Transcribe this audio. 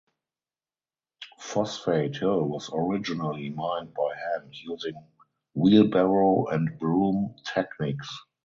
Phosphate Hill was originally mined by hand using wheelbarrow and broom techniques.